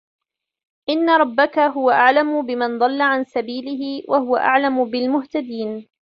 إن ربك هو أعلم من يضل عن سبيله وهو أعلم بالمهتدين